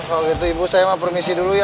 kalau gitu ibu saya mau permisi dulu ya